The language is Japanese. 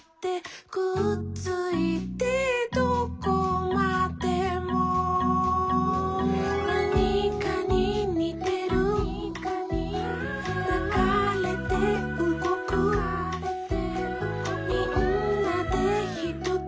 「くっついてどこまでも」「なにかににてる」「ながれてうごく」「みんなでひとつ」